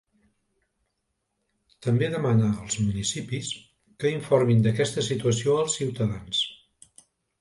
També demana als municipis que informin d’aquesta situació als ciutadans.